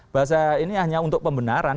bahasa ini hanya untuk pembenaran